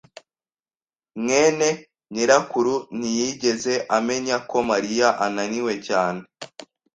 mwene nyirakuru ntiyigeze amenya ko Mariya ananiwe cyane.